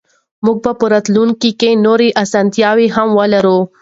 موږ به په راتلونکي کې نورې اسانتیاوې هم ولرو.